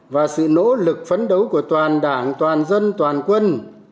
và sự nỗ lực phấn đấu của toàn đảng toàn dân toàn quân